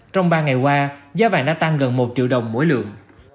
trong ba ngày qua giá vàng đã tăng gần một triệu đồng mỗi lượng